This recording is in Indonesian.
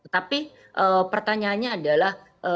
tapi pertanyaannya adalah